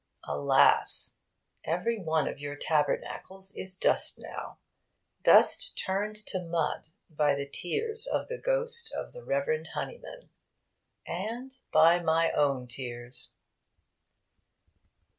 Alas! every one of your tabernacles is dust now dust turned to mud by the tears of the ghost of the Rev. Charles Honeyman, and by my own tears....